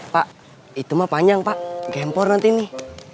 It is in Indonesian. pak itu mah panjang pak gempor nanti nih